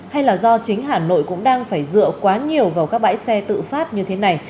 hay là do chính hà nội cũng đang phải dựa quá nhiều vào các bãi xe tự phát như thế này